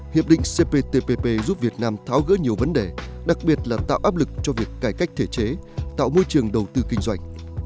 hiệp định cptpp giúp việt nam tháo gỡ nhiều vấn đề đặc biệt là tạo áp lực cho việc cải cách thể chế tạo môi trường đầu tư kinh doanh